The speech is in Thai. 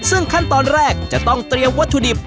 ซึ่งขั้นตอนแรกจะต้องเตรียมวัตถุดิบ